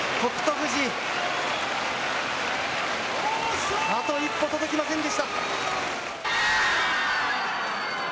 富士、あと一歩届きませんでした。